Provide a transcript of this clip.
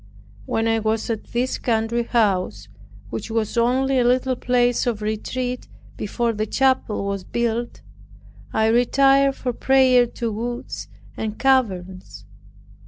When I was at this country house, which was only a little place of retreat before the chapel was built, I retired for prayer to woods and caverns.